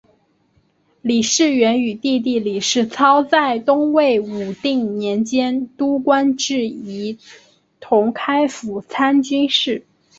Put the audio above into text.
李士元与弟弟李士操在东魏武定年间都官至仪同开府参军事。